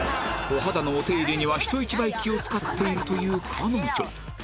お肌のお手入れには人一倍気を使っているという彼女